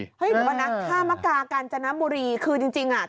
หรือว่านะท่ามกากาญจนบุรีคือจริงจริงอ่ะ